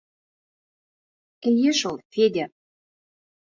Эйе шул, Федя.